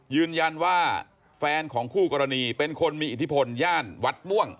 ยืนยันว่าแฟนของคู่กรณีเป็นคนมีอิทธิพลย่านวัดม่วง